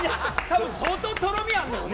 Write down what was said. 相当とろみあるのよね。